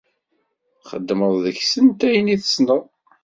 Txedmeḍ deg-sent ayen i tessneḍ.